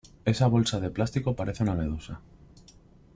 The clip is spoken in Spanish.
Esa bolsa de plástico parece una medusa.